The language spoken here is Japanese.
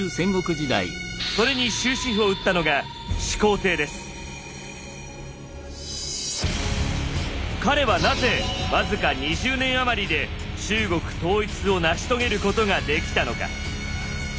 それに終止符を打ったのが彼はなぜ僅か２０年余りで中国統一を成し遂げることができたのか。